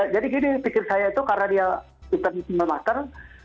jadi gini pikir saya itu karena dia internisimel mater